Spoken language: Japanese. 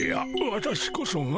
私こそが。